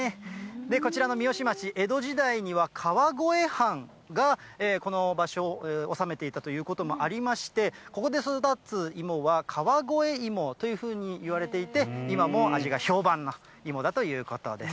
こちらの三芳町、江戸時代には川越藩が、この場所を治めていたということもありまして、ここで育つ芋は、川越いもというふうに言われていて、今も味が評判の芋だということです。